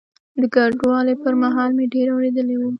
د کډوالۍ پر مهال مې ډېر اورېدلي ول.